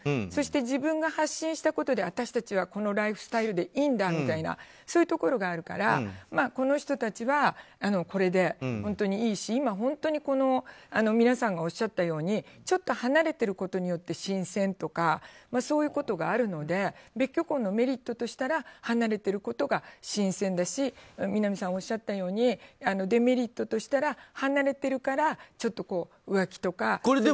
そして自分が発信したことで私たちはこういうライフスタイルでいいんだとそういうところがあるからこの人たちはこれでいいし皆さんがおっしゃったようにちょっと離れていることによって新鮮とかそういうことがあるので別居婚のメリットとしたら離れていることが新鮮ですしみなみさんがおっしゃったようにデメリットとしては離れてるからちょっと浮気とか。